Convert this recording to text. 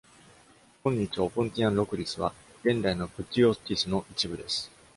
今日、Opuntian Locris は現代の Phthiotis の一部です。